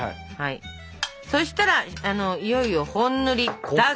そしたらいよいよ本塗りだが！